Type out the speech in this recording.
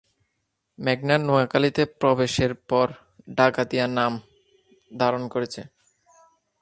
মেঘনা নোয়াখালীতে প্রবেশের পর ডাকাতিয়া নাম ধারণ করেছে।